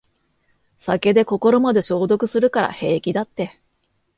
酒で心まで消毒するから平気だって